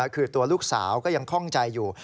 คือตัวลูกสาวก็ยังคล่องใจอยู่